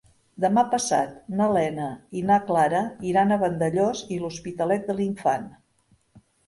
Demà passat na Lena i na Clara iran a Vandellòs i l'Hospitalet de l'Infant.